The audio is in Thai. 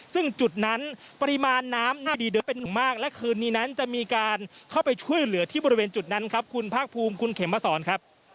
ซึ่งจุดนั้นปริมาณน้ำน่าดีเด้อเป็นอย่างมากและคืนนี้นั้นจะมีการเข้าไปช่วยเหลือที่บริเวณจุดนั้นครับคุณภาคภูมิคุณเข็มมาสอนครับ